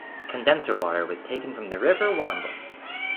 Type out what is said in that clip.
Condenser water was taken from the River Wandle.